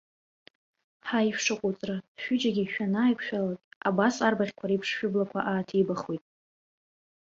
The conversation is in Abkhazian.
Ҳаи, шәшаҟәыҵра, шәҩыџьагьы шәанааиқәшәалакь абас арбаӷьқәа реиԥш шәыблақәа ааҭибахуеит.